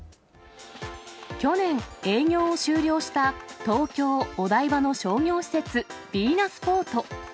去年、営業を終了した東京・お台場の商業施設、ヴィーナスフォート。